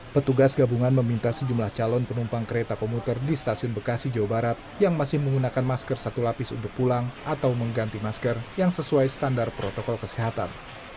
petugas gabungan meminta sejumlah calon penumpang kereta komuter di stasiun bekasi jawa barat yang masih menggunakan masker satu lapis untuk pulang atau mengganti masker yang sesuai standar protokol kesehatan